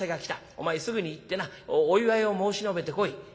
お前すぐに行ってなお祝いを申し述べてこい」。